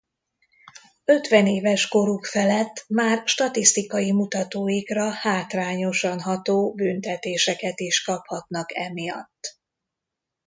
Ötven éves koruk felett már statisztikai mutatóikra hátrányosan ható büntetéseket is kaphatnak emiatt.